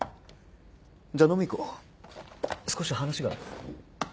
じゃあ飲みに行こう少し話がある。